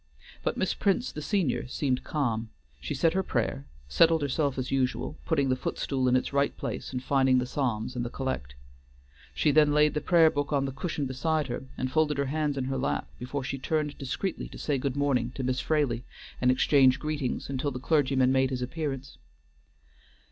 But Miss Prince the senior seemed calm; she said her prayer, settled herself as usual, putting the footstool in its right place and finding the psalms and the collect. She then laid the prayer book on the cushion beside her and folded her hands in her lap, before she turned discreetly to say good morning to Miss Fraley, and exchange greetings until the clergyman made his appearance.